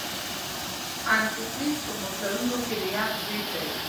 انتي فریز په موټرونو کې د یخ ضد دی.